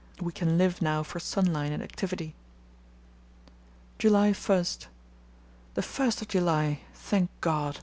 We can live now for sunlight and activity. "July 1.—The 1st of July! Thank God.